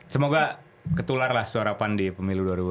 semoga ketular lah suara pan di pemilu dua ribu dua puluh empat